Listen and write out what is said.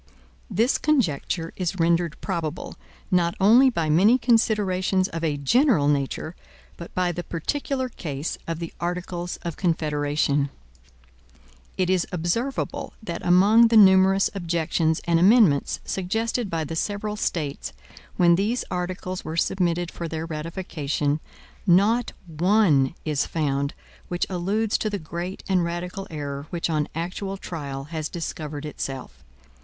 This conjecture is rendered probable, not only by many considerations of a general nature, but by the particular case of the Articles of Confederation. It is observable that among the numerous objections and amendments suggested by the several States, when these articles were submitted for their ratification, not one is found which alludes to the great and radical error which on actual trial has discovered itself.